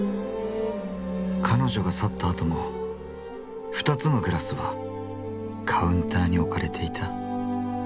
カノジョが去った後も２つのグラスはカウンターに置かれていた。